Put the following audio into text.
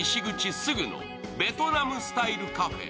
すぐのベトナムスタイルカフェ。